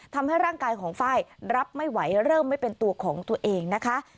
ทำให้ร่างกายของไฟล์รับไม่ไหวเริ่มไม่เป็นตัวของตัวเองนะคะ